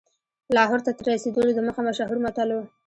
لاهور ته تر رسېدلو دمخه مشهور متل و.